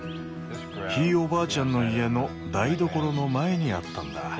ひいおばあちゃんの家の台所の前にあったんだ。